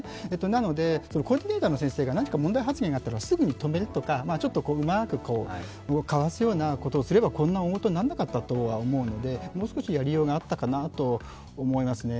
なのでコーディネーターの先生が何か問題発言があったらすぐに止めるとか、ちょっとうまくかわすようなことをすれば、こんな大ごとにはならなかったと思うので、もう少しやりようがあったかなと思いますね。